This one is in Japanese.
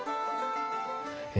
え